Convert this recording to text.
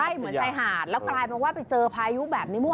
ใช่เหมือนชายหาดแล้วกลายเป็นว่าไปเจอพายุแบบนี้เมื่อวาน